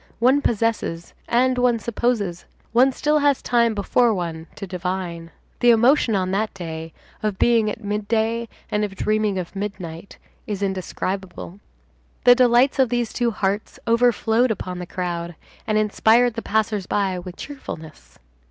One possesses and one supposes. One still has time before one to divine. The emotion on that day, of being at midday and of dreaming of midnight is indescribable. The delights of these two hearts overflowed upon the crowd, and inspired the passers by with cheerfulness.